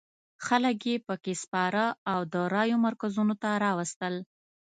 خلک یې په کې سپاره او د رایو مرکزونو ته راوستل.